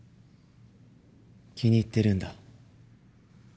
気に入ってるんだ。